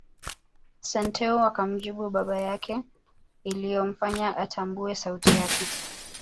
Santeu akamjibu baba yake iliyomfanya atambue sauti yake